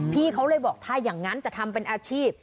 พี่เขาเลยบอกถ้าอย่างนั้นจะทำเป็นอาชีพ